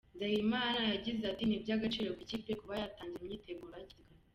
Nzeyimana yagize ati "Ni iby’agaciro ku ikipe, kuba yatangira imyiteguro hakiri kare.